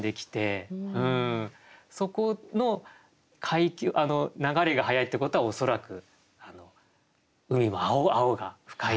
そこの流れが速いってことは恐らく海も青が深いだろうと。